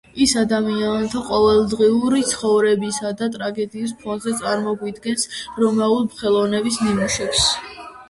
ის ადამიანთა ყოველდღიური ცხოვრებისა და ტრაგედიის ფონზე წარმოგვიდგენს რომაული ხელოვნების ნიმუშებს.